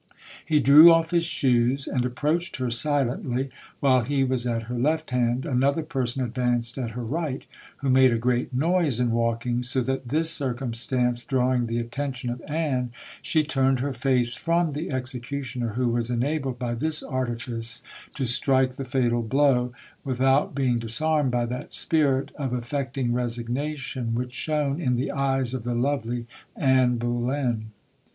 He drew off his shoes, and approached her silently; while he was at her left hand, another person advanced at her right, who made a great noise in walking, so that this circumstance drawing the attention of Anne, she turned her face from the executioner, who was enabled by this artifice to strike the fatal blow, without being disarmed by that spirit of affecting resignation which shone in the eyes of the lovely Anne Bullen.